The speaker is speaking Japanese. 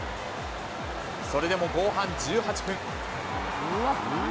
それでも後半１８分。